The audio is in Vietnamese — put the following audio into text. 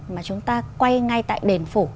mà chúng ta quay ngay tại đền phủ